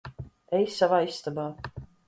Ej savā istabā.